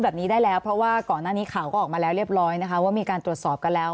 บอกมาแล้วเรียบร้อยนะคะว่ามีการตรวจสอบกันแล้ว